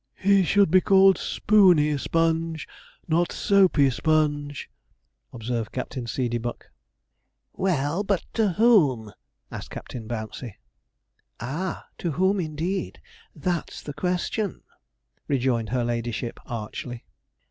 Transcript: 'He should be called Spooney Sponge, not Soapey Sponge,' observed Captain Seedeybuck. 'Well, but to whom?' asked Captain Bouncey. 'Ah, to whom indeed! That's the question,' rejoined her ladyship archly.